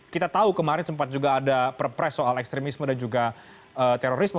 kita tahu kemarin sempat juga ada perpres soal ekstremisme dan juga terorisme